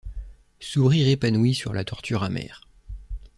Sourire épanoui sur la torture amère!